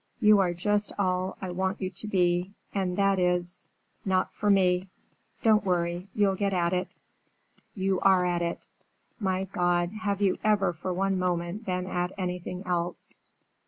"You are just all I want you to be—and that is,—not for me! Don't worry, you'll get at it. You are at it. My God! have you ever, for one moment, been at anything else?"